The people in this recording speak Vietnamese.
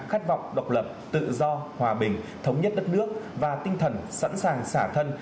khát vọng độc lập tự do hòa bình thống nhất đất nước và tinh thần sẵn sàng xả thân